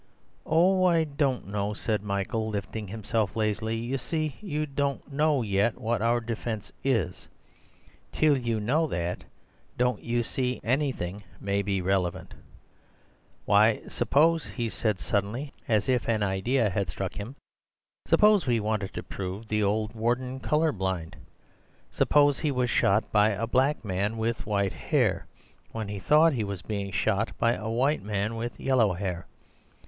"Oh, I don't know," said Michael, lifting himself lazily; "you see, you don't know yet what our defence is. Till you know that, don't you see, anything may be relevant. Why, suppose," he said suddenly, as if an idea had struck him, "suppose we wanted to prove the old Warden colour blind. Suppose he was shot by a black man with white hair, when he thought he was being shot by a white man with yellow hair!